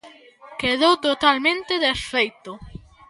Quedou totalmente desfeito.